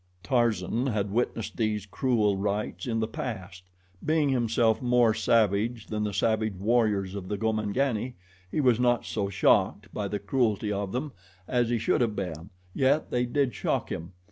Tarzan had witnessed these cruel rites in the past. Being himself more savage than the savage warriors of the Gomangani, he was not so shocked by the cruelty of them as he should have been, yet they did shock him.